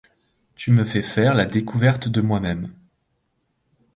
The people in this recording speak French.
Tu me fais faire la découverte de moi-même.